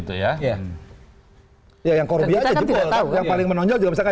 x gitu ya